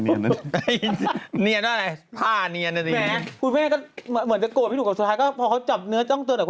เนียนเท่าอะไรผ้านียัน